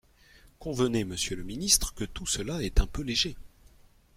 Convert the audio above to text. Convenez, monsieur le ministre, que tout cela est un peu léger.